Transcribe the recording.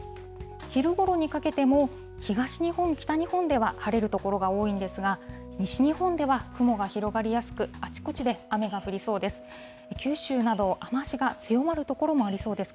昼ごろにかけても東日本、北日本では晴れる所が多いんですが、西日本では雲が広がりやすく、あちこちで雨が降りそうです。